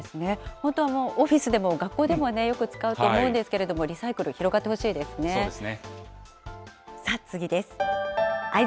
本当、オフィスでも学校でもよく使うと思うんですけれども、リサイクル、広がってほしいですね。